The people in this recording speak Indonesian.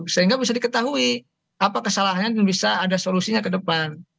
sehingga bisa diketahui apa kesalahannya dan bisa ada solusinya ke depan